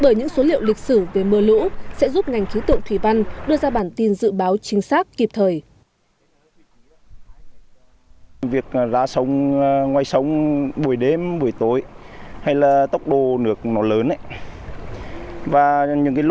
bởi những số liệu lịch sử về mưa lũ sẽ giúp ngành khí tượng thủy văn đưa ra bản tin dự báo chính xác kịp thời